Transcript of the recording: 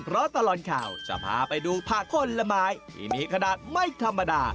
เพราะตลอดข่าวจะพาไปดูผักผลไม้ที่มีขนาดไม่ธรรมดา